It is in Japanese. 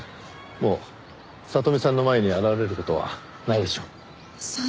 もう里美さんの前に現れる事はないでしょう。